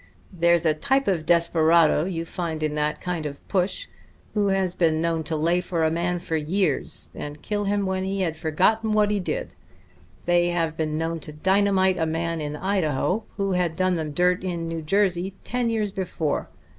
There's a type of desperado you find in that kind of push who has been known to lay for a man for years, and kill him when he had forgotten what he did. They have been known to dynamite a man in Idaho who had done them dirt in New Jersey ten years before.